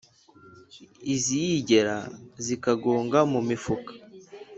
Iziyigera zikagonga mu mifuka.